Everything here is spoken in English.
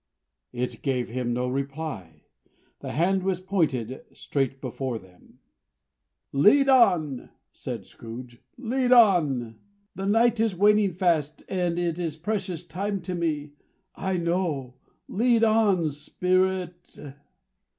It gave him no reply. The hand was pointed straight before them. "Lead on!" said Scrooge. "Lead on! The night is waning fast, and it is precious time to me, I know. Lead on, Spirit!"